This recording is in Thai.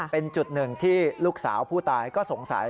เป็นจุดหนึ่งที่ลูกสาวผู้ตายก็สงสัย